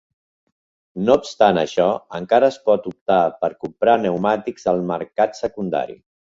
No obstant això, encara es pot optar per comprar pneumàtics al mercat secundari.